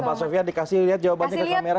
pak sofian dikasih lihat jawabannya ke kamera